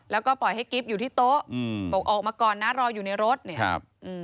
แล้วก็ปล่อยให้กิ๊บอยู่ที่โต๊ะอืมบอกออกมาก่อนนะรออยู่ในรถเนี่ยครับอืม